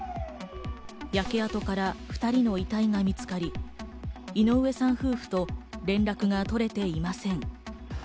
焼け跡から２人の遺体が見つかり、井上さん夫婦と連絡が取れていません。